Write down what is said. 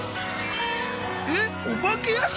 えっお化け屋敷？